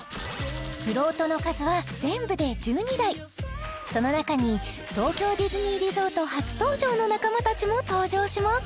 フロートの数は全部で１２台その中に東京ディズニーリゾート初登場の仲間たちも登場します